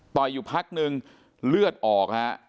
ต่อยอยู่พักหนึ่งเลือดออก